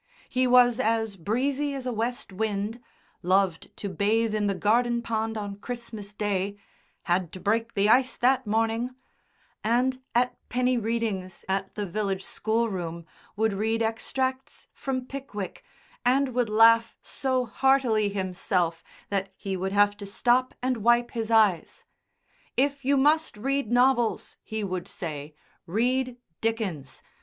He was as breezy as a west wind, loved to bathe in the garden pond on Christmas Day ("had to break the ice that morning"), and at penny readings at the village schoolroom would read extracts from "Pickwick," and would laugh so heartily himself that he would have to stop and wipe his eyes. "If you must read novels," he would say, "read Dickens.